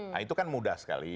nah itu kan mudah sekali